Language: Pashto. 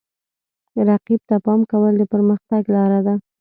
رقیب ته پام کول د پرمختګ لاره ده.